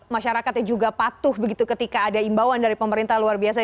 masyarakatnya juga patuh begitu ketika ada imbauan dari pemerintah luar biasa